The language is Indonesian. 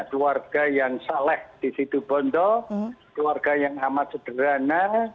keluarga yang saleh di situ bondo keluarga yang amat sederhana